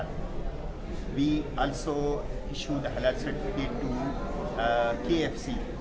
kami juga menawarkan halal yang disertifikasi oleh kfc